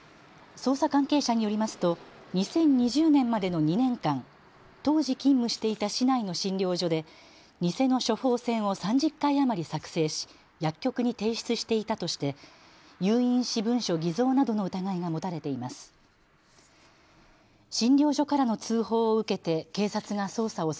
捜査関係者によりますと２０２０年までの２年間、当時勤務していた市内の診療所で偽の処方箋を３０回余り作成し薬局に提出していたとして有印私文書偽造などの疑いが持たれています。